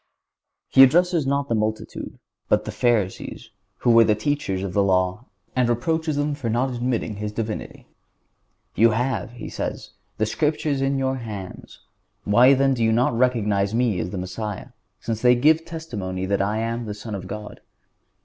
He addresses not the multitude, but the Pharisees, who were the teachers of the law, and reproaches them for not admitting His Divinity. "You have," He says, "the Scriptures in your hands; why then do you not recognize Me as the Messiah, since they give testimony that I am the Son of God?"